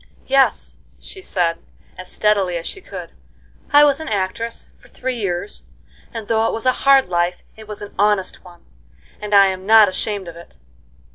"Yes," she said, as steadily as she could, "I was an actress for three years, and though it was a hard life it was an honest one, and I'm not ashamed of it.